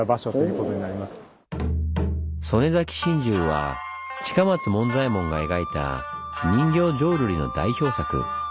「曽根崎心中」は近松門左衛門が描いた人形浄瑠璃の代表作。